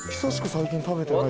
最近食べてない。